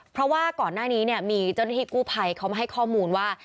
เพราะว่าก่อนหน้านี้เนี่ยมีเจ้าหน้าที่กู้ภัยเขามาให้ข้อมูลว่า